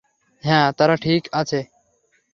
হ্যাঁ, তারা ঠিক আছে।